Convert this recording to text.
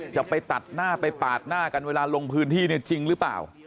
จะไปตัดหน้าไปปาดหน้ากันเวลาลงพื้นที่เนี่ยจริงหรือเปล่า